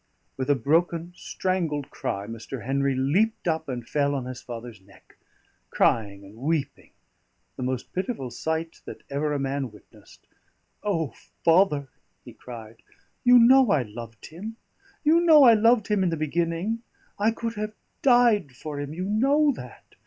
With a broken, strangled cry, Mr. Henry leaped up and fell on his father's neck, crying and weeping, the most pitiful sight that ever a man witnessed. "O! father," he cried, "you know I loved him; you know I loved him in the beginning; I could have died for him you know that!